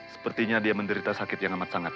sepertinya dia menderita sakit yang amat sangat